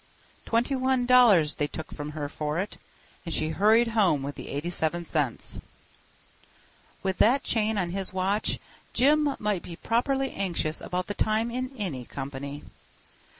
Twenty one dollars they took from her for it, and she hurried home with the 87 cents. With that chain on his watch Jim might be properly anxious about the time in any company.